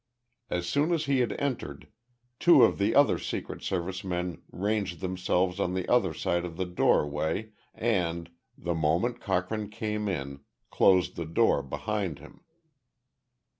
As soon as he had entered, two of the other Secret Service men ranged themselves on the other side of the doorway and, the moment Cochrane came in, closed the door behind him.